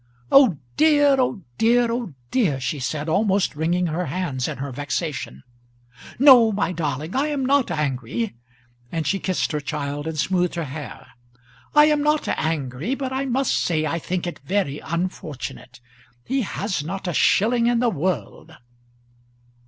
"Oh dear, oh dear, oh dear!" she said, almost wringing her hands in her vexation, "No, my darling I am not angry," and she kissed her child and smoothed her hair. "I am not angry; but I must say I think it very unfortunate. He has not a shilling in the world."